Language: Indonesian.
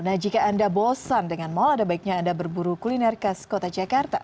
nah jika anda bosan dengan mal ada baiknya anda berburu kuliner khas kota jakarta